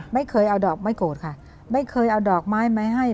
ไม่เคยเอาดอกไม้โกรธค่ะไม่เคยเอาดอกไม้มาให้